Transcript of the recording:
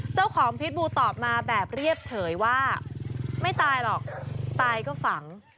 เจ้าของพิษบู๋ตอบมาแบบเรียบเฉยว่า